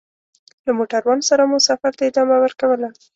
له موټروان سره مو سفر ته ادامه ورکوله.